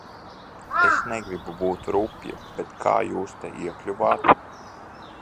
Es negribu būt rupja, bet kā jūs te iekļuvāt?